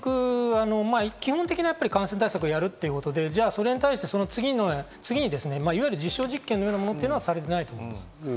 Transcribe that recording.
基本的な感染対策をやるということで、それに対して次に実証実験のようなものはされていないと思います。